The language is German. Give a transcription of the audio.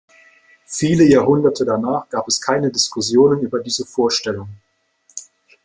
Viele Jahrhunderte danach gab es keine Diskussionen über diese Vorstellung.